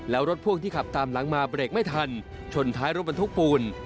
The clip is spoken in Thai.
แล้วรถพ่วงที่ขับตามหลังมาเบรกไม่ทันชนท้ายรถบรรทุกปูน